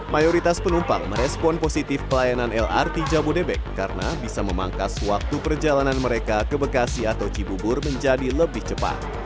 mayoritas penumpang merespon positif pelayanan lrt jabodebek karena bisa memangkas waktu perjalanan mereka ke bekasi atau cibubur menjadi lebih cepat